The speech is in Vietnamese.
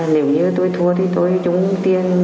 nếu như tôi thua thì tôi trúng tiền